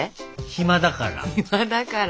暇だから。